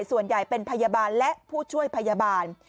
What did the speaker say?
ส่วนใหญ่เป็นพยาบาลและผู้ช่วยพยาบาล